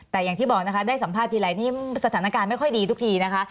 แต่อย่างที่บอกนะคะได้สัมภาษณ์ทีไรนี่สถานการณ์ไม่ค่อยดีทุกทีนะคะ